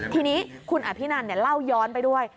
ทีนี้คุณอภินันเล่าย้อนไปด้วย